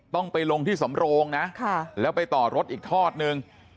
ต้องไปลงที่สำโรงนะแล้วไปต่อรถอีกทอดนึง